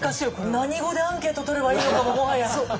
何語でアンケート取ればいいのかももはや。